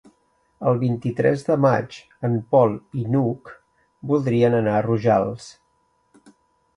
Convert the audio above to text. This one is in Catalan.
El vint-i-tres de maig en Pol i n'Hug voldrien anar a Rojals.